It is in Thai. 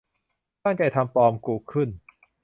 ตั้งใจทำปลอม กุขึ้น